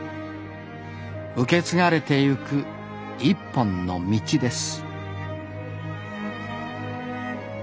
受け継がれてゆく一本の道です